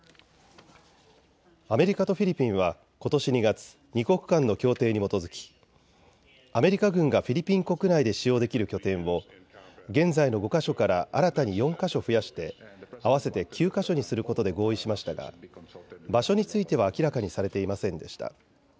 アメリカとフィリピンはことし２月、２国間の協定に基づきアメリカ軍がフィリピン国内で使用できる拠点を現在の５か所から新たに４か所増やして合わせて９か所にすることで合意しましたが場所については明らかにされていませんでした。